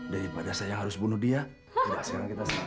daripada saya harus bunuh dia sudah sekarang kita selesai